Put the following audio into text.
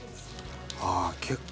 ああ結構。